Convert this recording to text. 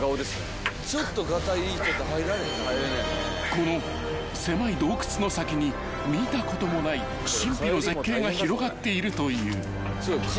［この狭い洞窟の先に見たこともない神秘の絶景が広がっているという］